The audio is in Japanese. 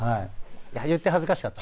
言って恥ずかしかった？